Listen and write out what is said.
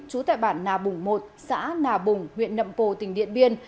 trú tại bản nà bủng một xã nà bùng huyện nậm pồ tỉnh điện biên